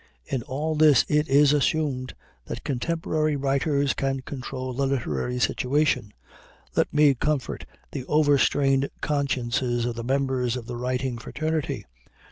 In all this it is assumed that contemporary writers can control the literary situation. Let me comfort the over strained consciences of the members of the writing fraternity.